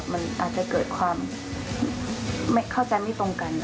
มันอาจจะเกิดความเข้าใจไม่ตรงกัน